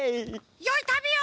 よいたびを！